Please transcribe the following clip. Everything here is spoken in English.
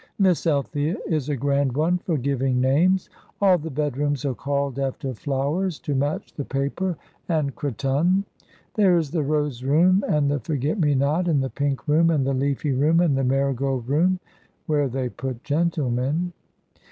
Miss Althea is a grand one for giving names. All the bedrooms are called after flowers, to match the paper and cretonne. There is the Rose Room and the Forget me not and the Pink Room, and the Leafy Room, and the Marigold Room, where they put gentlemen."